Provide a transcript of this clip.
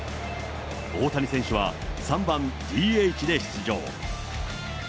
大谷選手は、３番ＤＨで出場。